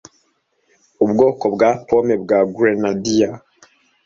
Ubwoko bwa Pome bwa Grenadier